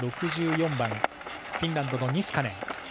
６４番フィンランドのニスカネン。